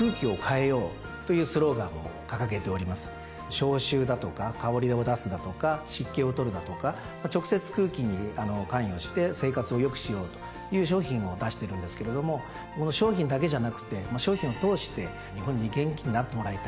消臭だとか香りを出すだとか湿気を取るだとか直接空気に関与して生活を良くしようという商品を出してるんですけれども商品だけじゃなくて商品を通して日本に元気になってもらいたい。